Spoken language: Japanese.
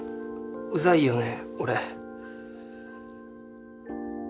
うざいよね俺。